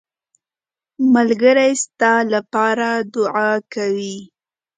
ملګری ستا لپاره دعا کوي